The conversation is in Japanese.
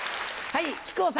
はい。